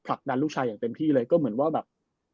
ดันลูกชายอย่างเต็มที่เลยก็เหมือนว่าแบบ